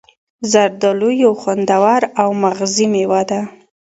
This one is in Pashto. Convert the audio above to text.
زردآلو یو خوندور او مغذي میوه ده.